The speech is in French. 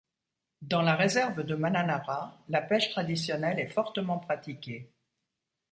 Dans la réserve de Mananara, la pêche traditionnelle est fortement pratiquée.